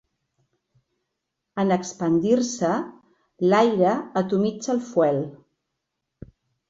En expandir-se, l'aire atomitza el fuel.